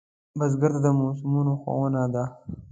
بزګر ته د موسمونو ښوونه ده